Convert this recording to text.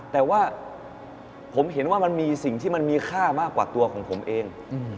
แต่ว่าผมเห็นว่ามันมีสิ่งที่มันมีค่ามากกว่าตัวของผมเอง